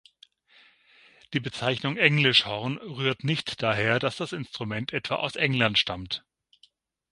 Die Bezeichnung „Englischhorn“ rührt nicht daher, dass das Instrument etwa aus England stammt.